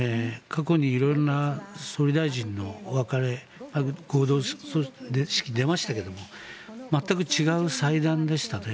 過去に色んな総理大臣のお別れ式に出ましたけども全く違う祭壇でしたね。